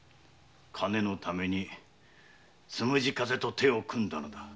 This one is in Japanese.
金のために「つむじ風」と手を組んだのだ。